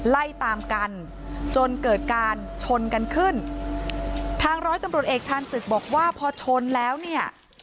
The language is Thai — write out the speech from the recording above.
ไล่ตามกันจนเกิดการชนกันขึ้นทางร้อยตำรวจเอกชาญศึกบอกว่าพอชนแล้วเนี่ย